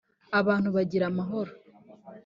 abantu bagira amahoro